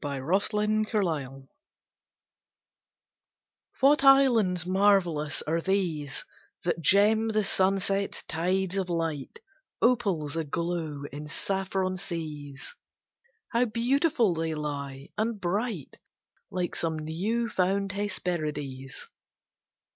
THE CLOUD ISLANDS What islands marvellous are these, That gem the sunset's tides of light Opals aglow in saffron seas? How beautiful they lie, and bright, Like some new found Hesperides!